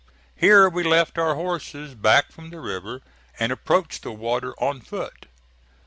Here we left our horses back from the river and approached the water on foot.